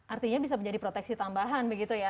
artinya bisa menjadi proteksi tambahan begitu ya